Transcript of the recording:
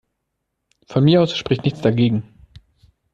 Von mir aus spricht nichts dagegen.